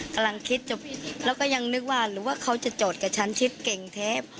กำลังคิดแล้วก็ยังนึกว่าหรือว่าเขาจะจอดกับฉันชิดเก่งเทป